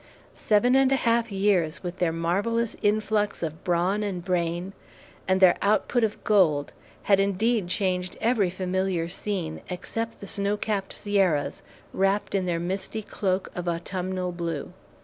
Seven and a half years with their marvellous influx of brawn and brain, and their output of gold, had indeed changed every familiar scene, except the snow capped Sierras, wrapped in their misty cloak of autumnal blue.